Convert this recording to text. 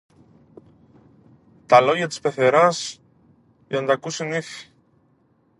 Τα λεγα της πεθεράς, για να τ' ακούσει η νύφη.